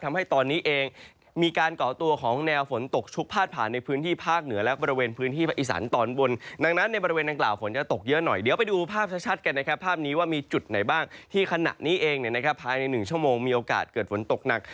ทำให้ตอนนี้เองมีการก่อตัวของแนวฝนตกชุกพาดผ่านในพื้นที่ภาคเหนือและบริเวณพื้นที่ภาคอีสานตอนบนดังนั้นในบริเวณดังกล่าวฝนจะตกเยอะหน่อยเดี๋ยวไปดูภาพชัดกันนะครับภาพนี้ว่ามีจุดไหนบ้างที่ขณะนี้เองภายใน๑ชั่วโมงมีโอกาสเกิดฝนตกหนัก